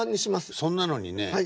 そんなのにね